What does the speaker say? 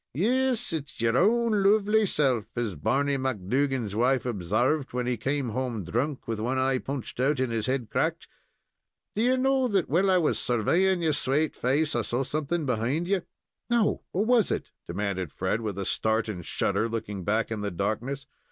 "Yes, it's your own lovely self, as Barney McDougan's wife obsarved, when he came home drunk, with one eye punched out and his head cracked. Do ye know that while I was surveying your swate face I saw something behind ye?" "No. What was it?" demanded Fred, with a start and shudder, looking back in the darkness.